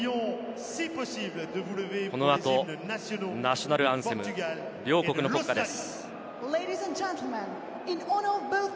この後、ナショナルアンセム、両国の国歌です。